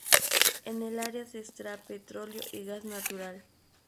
En el área se extrae petróleo y gas natural.